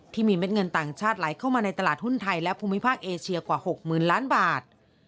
เม็ดเงินต่างชาติไหลเข้ามาในตลาดหุ้นไทยและภูมิภาคเอเชียกว่า๖๐๐๐ล้านบาท